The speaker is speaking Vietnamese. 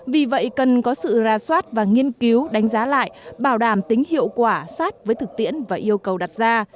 vì vậy cần có sự ra soát và nghiên cứu đánh giá lại bảo đảm tính hiệu quả sát với thực tiễn và yêu cầu đặt ra